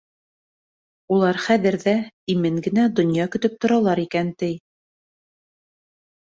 Улар хәҙер ҙә имен генә донъя көтөп торалар икән, ти.